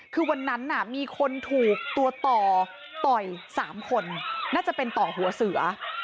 คือวันนั้นมีคนถูกตัวต่อต่อย๓คนน่าจะเป็นต่อหัวเสือ